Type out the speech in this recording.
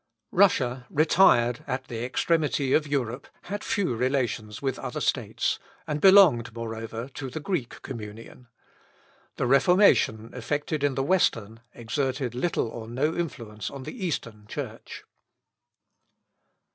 Russia, retired at the extremity of Europe, had few relations with other states, and belonged, moreover, to the Greek communion. The Reformation effected in the Western exerted little or no influence on the Eastern Church.